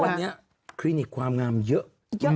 วันนี้คลินิกความงามเยอะ